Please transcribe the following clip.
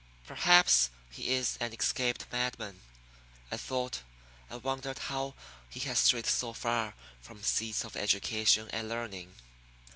"Perhaps he is an escaped madman," I thought; and wondered how he had strayed so far from seats of education and learning.